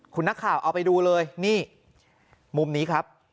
คุณนักข่าวเอาไปดูเลยนี่มุมนี้ครับ